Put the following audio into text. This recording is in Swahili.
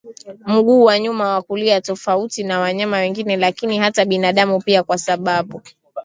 mguu wa nyuma wa kulia tofauti na wanyama wengine lakini hata binaadamu pia kwasababu